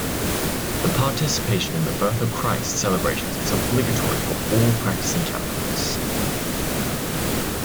The participation in the Birth of Christ celebrations is obligatory for all practicing Catholics.